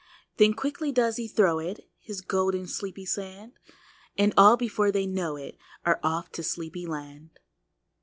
Then quickly does he throw it, His golden sleepy sand, And all, before they know it, Are off for sleepy land!